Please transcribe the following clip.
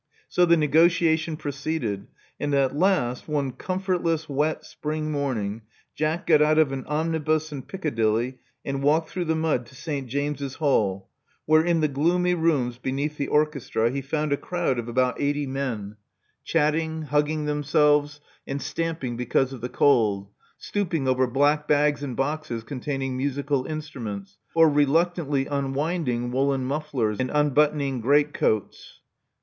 So the negotiation proceeded; and at last, one comfortless wet spring morning, Jack got out of an omnibus in Piccadilly, and walked through the mud to St. James's Hall, where, in the gloomy rooms beneath the orchestra, he found a crowd of about eighty men, Love Among the Artists 171 chatting, hugging themselves, and stamping because of the cold ; stooping over black bags and boxes con taining musical instruments ; or reluctantly unwinding woollen mufflers and unbuttoning great coats.